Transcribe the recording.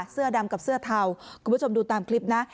เสื้อดำกับเสื้อเทาคุณผู้ชมดูตามคลิปนะ